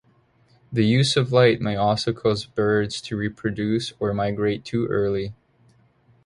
The use of light may also cause birds to reproduce or migrate too early.